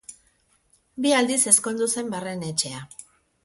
Bi aldiz ezkondu zen Barrenetxea.